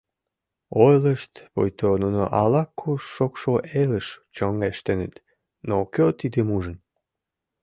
Ойлышт, пуйто нуно ала-куш шокшо элыш чоҥештеныт, но кӧ тидым ужын?